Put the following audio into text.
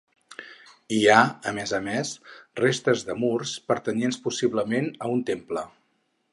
Hi ha, a més a més, restes de murs, pertanyents, possiblement, a un temple.